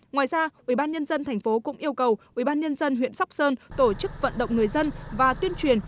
ngoài ra ubnd tp cũng yêu cầu ubnd huyện sóc sơn tổ chức vận động người dân và tuyên truyền